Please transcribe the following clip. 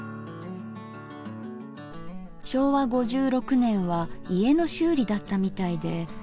昭和５６年は家の修理だったみたいで。